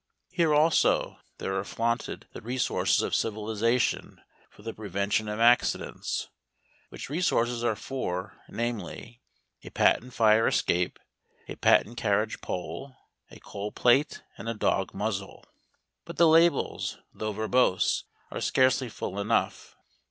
Here, also, there are flaunted the resources of civilisation for the Prevention of Accidents, which resources are four, namely, a patent fire escape, a patent carriage pole, a coal plate, and a dog muzzle. But the labels, though verbose, are scarcely full enough.